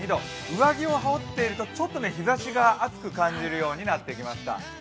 上着を羽織っているとちょっと日ざしが暑く感じるようになってきまし。